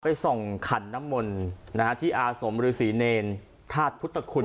ไปส่งขันน้ำมนที่อาสมฤษีเนรทาสพุทธคุณ